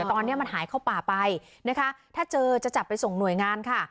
ตอนนี้มันหายเข้าป่าไปนะคะถ้าเจอจะจับไปส่งหน่วยงานค่ะ